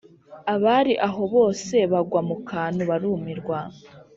Abari aho bose bagwa mu kantu barumirwa